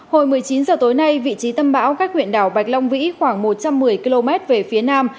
hồi một mươi chín h tối nay vị trí tâm bão cách huyện đảo bạch long vĩ khoảng một trăm một mươi km về phía nam